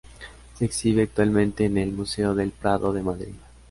Se exhibe actualmente en el Museo del Prado de Madrid.